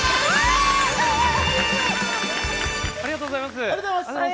ありがとうございます。